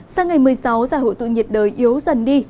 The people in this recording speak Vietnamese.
sang ngày một mươi sáu giải hội tụ nhiệt đới yếu dần đi